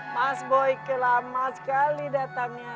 mas boy lama sekali datangnya